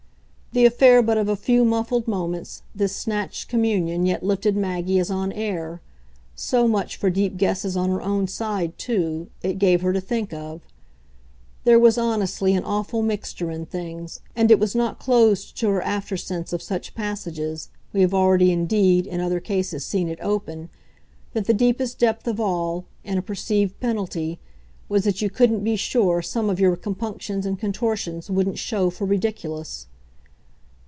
The affair but of a few muffled moments, this snatched communion yet lifted Maggie as on air so much, for deep guesses on her own side too, it gave her to think of. There was, honestly, an awful mixture in things, and it was not closed to her aftersense of such passages we have already indeed, in other cases, seen it open that the deepest depth of all, in a perceived penalty, was that you couldn't be sure some of your compunctions and contortions wouldn't show for ridiculous.